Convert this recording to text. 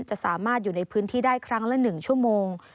จะสามารถอยู่ในพื้นที่ได้ครั้งละ๑ชั่วโมง